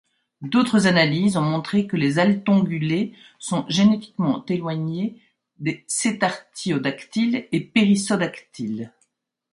D'autre analyses ont montré que les Altongulés sont génétiquement éloignés des cétartiodactyles et périssodactyles.